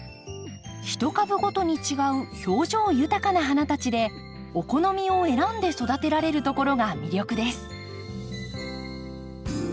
一株ごとに違う表情豊かな花たちでお好みを選んで育てられるところが魅力です。